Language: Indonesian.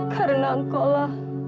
karena engkau lah